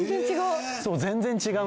全然違う。